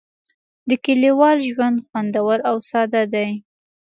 د کلیوال ژوند خوندور او ساده دی.